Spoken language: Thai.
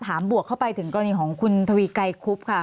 บวกเข้าไปถึงกรณีของคุณทวีไกรคุบค่ะ